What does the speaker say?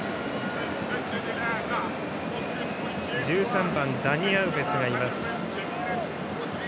１３番ダニ・アウベスがいます。